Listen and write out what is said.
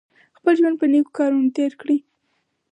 خپل ژوند په نېکو کارونو تېر کړئ.